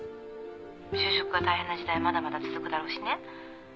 就職が大変な時代まだまだ続くだろうしね。